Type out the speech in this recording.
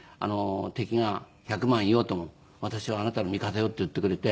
「敵が１００万いようとも私はあなたの味方よ」って言ってくれて。